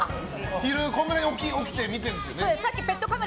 昼、このぐらいに起きて見てるんですよね。